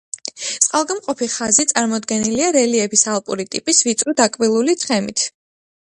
წყალგამყოფი ხაზი წარმოდგენილია რელიეფის ალპური ტიპის ვიწრო დაკბილული თხემით.